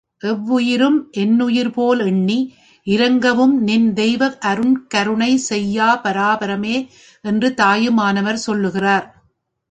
எவ்வுயிரும் என்னுயிர்போல் எண்ணி இரங்கவும்நின் தெய்வ அருட்கருணை செய்யாய் பராபரமே என்று தாயுமானவர் சொல்லுகிறார்.